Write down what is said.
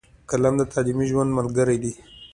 قلم د تعلیمي ژوند ملګری دی.